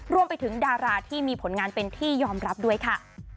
รวมไปถึงดาราที่มีผลงานเป็นที่ยอมรับด้วยค่ะ